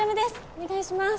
お願いします